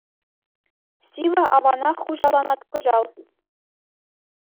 Сивӗ аванах хуҫаланать кӑҫал.